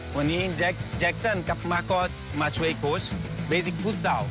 วันนี้แจ็คสอนกับมาโคตรมาช่วยโค้ช